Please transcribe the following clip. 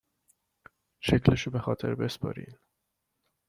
شکلشو به خاطر بسپرین